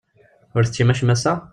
Ur teččim acemma ass-a?